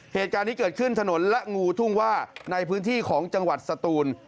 เหตุการณ์นี้เกิดขึ้นถนนและงูทุ่งว่าในพื้นที่ของจังหวัดสตูน